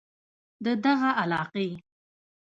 د دغه علاقې